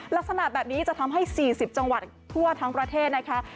ลักษณะแบบนี้จะทำให้๔๐จังหวัดทั่วทั้งประเทศนะคะ